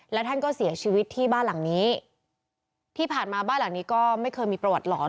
และท่านก็เสียชีวิตที่บ้านหลังนี้ที่ผ่านมาบ้านหลังนี้ก็ไม่เคยมีประวัติหลอน